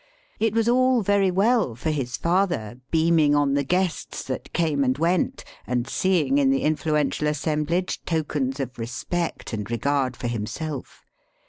It was all very well for his father beaming on the guests that came and went, and seeing in the influential assemblage tokens of respect and regard for himself.